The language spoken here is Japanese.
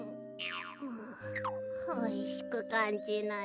あおいしくかんじない。